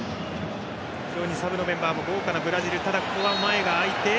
非常にサブのメンバーも豪華なブラジル。